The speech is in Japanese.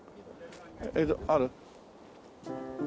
えっとある？